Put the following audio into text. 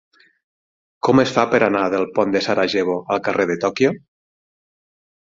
Com es fa per anar del pont de Sarajevo al carrer de Tòquio?